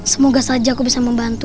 semoga saja aku bisa membantu